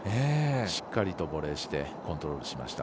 しっかりとボレーしてコントロールしました。